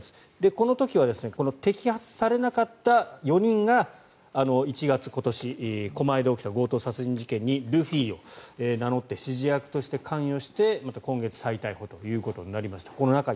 この時は摘発されなかった４人が１月、今年、狛江で起きた強盗殺人事件にルフィを名乗って指示役として関与してまた今月再逮捕ということになりました。